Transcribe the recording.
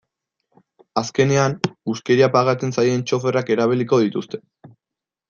Azkenean, huskeria pagatzen zaien txoferrak erabiliko dituzte.